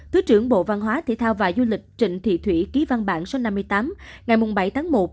thứ trưởng bộ văn hóa thể thao và du lịch trịnh thị thủy ký văn bản số năm mươi tám ngày bảy tháng một